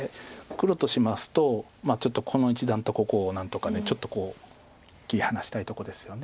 黒としますとちょっとこの一団とここを何とかちょっと切り離したいとこですよね。